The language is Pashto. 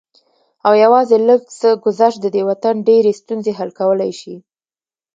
او يوازې لږ څه ګذشت د دې وطن ډېرې ستونزې حل کولی شي